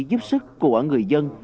giúp sức của người dân